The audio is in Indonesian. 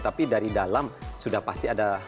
tapi dari dalam sudah pasti ada barah barahnya